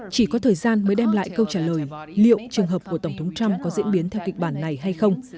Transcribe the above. chỉ có thời gian mới đem lại câu trả lời liệu trường hợp của tổng thống trump có diễn biến theo kịch bản này hay không